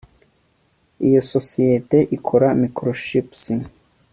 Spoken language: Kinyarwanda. Iyo sosiyete ikora microchips